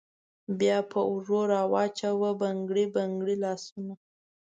بیا په اوږو راوچوه بنګړي بنګړي لاسونه